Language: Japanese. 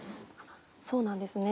そうなんですね。